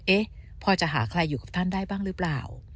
เอ๊ะพอจะหาใครอยู่กับท่านได้บ้างหรือเปล่า